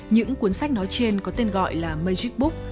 những cuốn sách nói trên có tên gọi là magic book